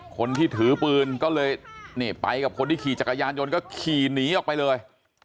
คนที่ถือปืนก็เลยนี่ไปกับคนที่ขี่จักรยานยนต์ก็ขี่หนีออกไปเลย